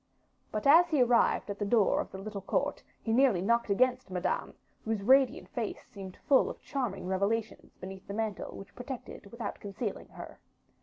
But as he arrived at the door of the little court, he nearly knocked against Madame, whose radiant face seemed full of charming revelations beneath the mantle which protected without concealing her.